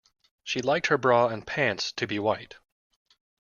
She liked her bra and pants to be white